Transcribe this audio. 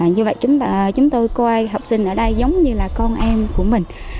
như vậy chúng ta chúng tôi coi học sinh ở đây giống như là con em của mình